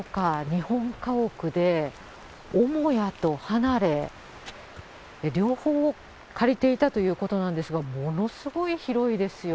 日本家屋で、母屋と離れ、両方借りていたということなんですが、ものすごい広いですよ。